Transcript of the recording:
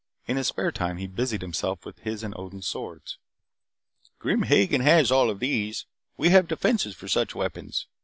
In his spare time he busied himself with his and Odin's swords. "Grim Hagen has all of these. We have defenses for such weapons.